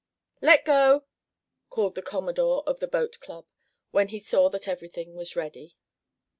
"Let go!" called the commodore of the boat club, when he saw that everything was ready.